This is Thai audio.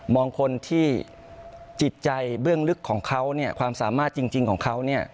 มองคนที่จิตใจเบื้องลึกของเขาความสามารถจริงของเขา